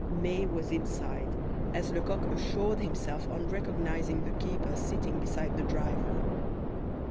May was inside, as Lecoq assured himself on recognizing the keeper sitting beside the driver.